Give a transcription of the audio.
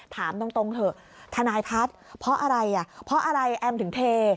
ถามตรงเถอะทนายพัฒน์เพราะอะไรอ่ะเพราะอะไรแอมถึงเท